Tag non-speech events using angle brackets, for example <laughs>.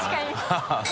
ハハハ <laughs>